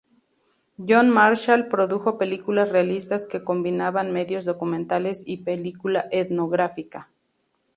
John Marshall produjo películas realistas que combinaban medios documentales y película etnográfica.